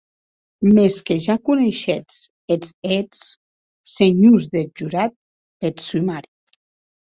Mès que ja coneishetz es hèts, senhors deth jurat, peth somari.